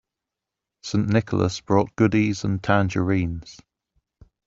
St. Nicholas brought goodies and tangerines.